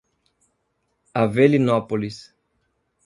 Avelinópolis